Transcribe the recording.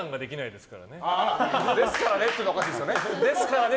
ですからねっていうのはおかしいですよね。